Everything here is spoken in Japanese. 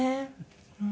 うん。